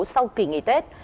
sau kỳ nghỉ tết